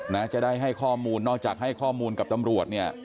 นะจะได้ให้ข้อมูลนอกจากให้ข้อมูลกับตำรวจเนี่ย